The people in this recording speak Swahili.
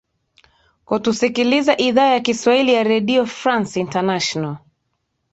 ko tusikiliza idhaa ya kiswahili ya redio france international